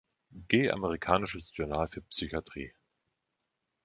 G. Amerikanisches Journal für Psychiatrie.